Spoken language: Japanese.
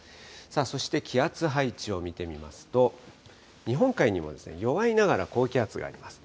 そして気圧配置を見てみますと、日本海には弱いながら高気圧があります。